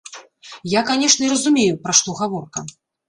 Я, канешне, разумею, пра што гаворка.